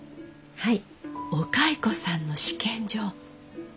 はい。